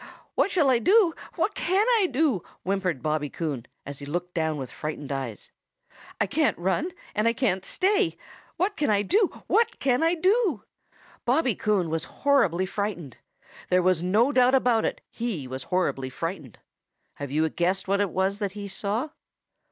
"What shall I do? What can I do?" whimpered Bobby Coon as he looked down with frightened eyes. "I can't run and I can't stay. What can I do? What can I do?" Bobby Coon was horribly frightened. There was no doubt about it, he was horribly frightened. Have you guessed what it was that he saw?